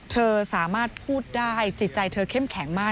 เธอสามารถพูดได้จิตใจเธอเข้มแข็งมาก